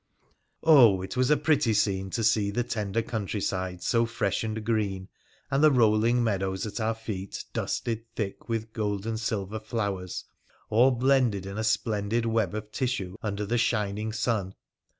Oh, it was a pretty scene to see the tender countryside so fresh and green, and the rolling meadows at our feet dusted thick with gold and silver flowers all blended in a splendid web of tissue under the shining sun.